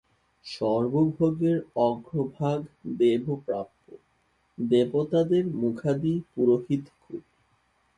সর্বভোগের অগ্রভাগ দেবপ্রাপ্য, দেবতাদের মুখাদি পুরোহিত-কুল।